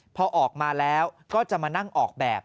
พอออกมาแล้วก็จะมานั่งออกแบบ